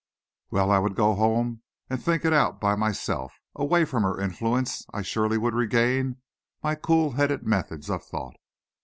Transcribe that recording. Well, I would go home and think it out by myself. Away from her influence I surely would regain my cool headed methods of thought.